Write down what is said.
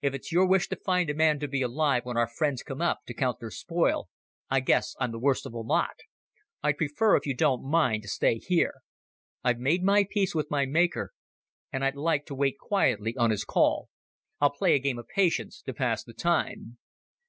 "If it's your wish to find a man to be alive when our friends come up to count their spoil, I guess I'm the worst of the lot. I'd prefer, if you don't mind, to stay here. I've made my peace with my Maker, and I'd like to wait quietly on His call. I'll play a game of Patience to pass the time."